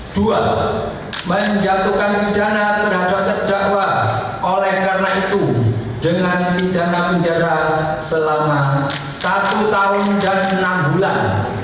dua menjatuhkan pidana terhadap terdakwa oleh karena itu dengan pidana penjara selama satu tahun dan enam bulan